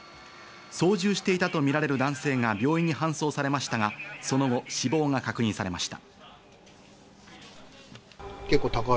操縦していたとみられる男性が病院に搬送されましたが、その後死亡が確認されました。